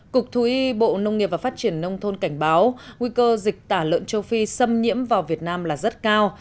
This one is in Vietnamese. cục thú y bộ nông nghiệp và phát triển nông thôn cảnh báo nguy cơ dịch tả lợn châu phi xâm nhiễm vào việt nam là rất cao